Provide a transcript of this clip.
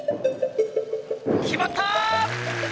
決まった！